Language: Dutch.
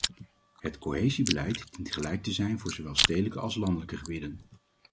Het cohesiebeleid dient gelijk te zijn voor zowel stedelijke als landelijke gebieden.